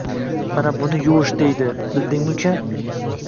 Mana buni yuvish, deydi bildingmi uka